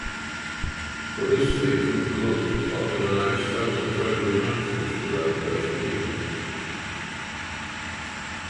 For this season club organised seven friendly matches for their first team.